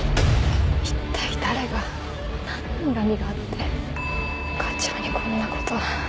一体誰が何の恨みがあって課長にこんなこと。